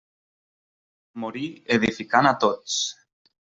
Morí edificant a tots.